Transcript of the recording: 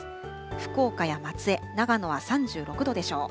福岡や松江、長野は３６度でしょう。